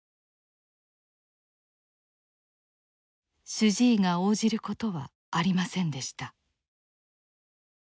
主治医が応じることはありませんでした。